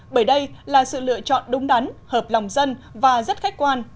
bởi đây là sự lựa chọn đúng đắn hợp lòng dân và rất khách quan